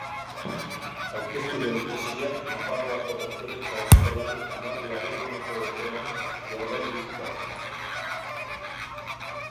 Aurkeztu den tesia Nafarroako Doktoretza Eskolan hamar laneguneko epean gordailutuko da.